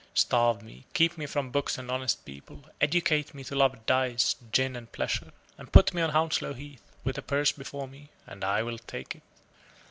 Starve me, keep me from books and honest people, educate me to love dice, gin, and pleasure, and put me on Hounslow Heath, with a purse before me, and I will take it.